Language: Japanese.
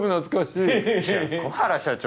いや小原社長